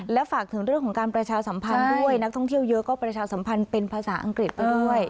และฝากถึงเรื่องของการประชาสัมพันธ์ด้วยนักท่องเที่ยวเยอะก็ประชาสัมพันธ์เป็นภาษาอังกฤษไปด้วย